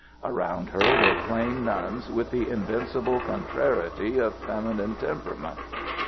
Around her were plain nuns with the invincible contrariety of feminine temperament.